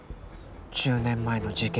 １０年前の事件